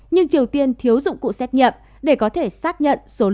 nhưng triều tiên thiếu dụng cụ xét nghiệm để có thể xác nhận số lượng nhiều như vậy